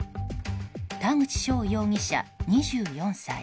田口翔容疑者、２４歳。